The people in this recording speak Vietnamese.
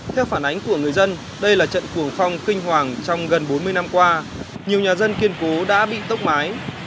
theo phản ánh của người dân đây là trận cuồng phong kinh hoàng trong gần bốn mươi năm qua nhiều nhà dân kiên cố đã bị tốc mái